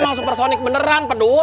eta emang supersonik beneran pedut